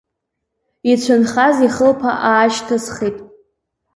Ицәынхаз ихылԥа аашьҭысхит.